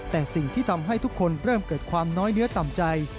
แต่สิ่งที่ทำให้ทุกคนเริ่มเกิดความน้อยเนื้อต่ำใจ